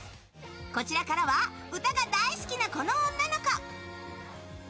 こちらからは歌が大好きな、この女の子。